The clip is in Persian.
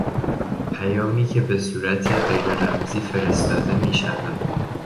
پیامی که به صورت غیر رمزی فرستاده میشود